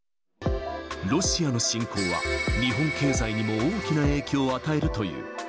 ロシアの侵攻は、日本経済にも大きな影響を与えるという。